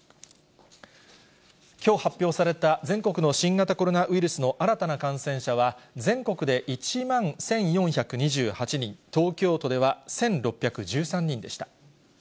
きょう発表された全国の新型コロナウイルスの新たな感染者は、全国で１万１４２８人、東京都では１６１３人でした。